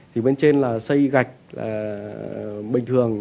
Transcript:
thì bên trên là xây gạch là bình thường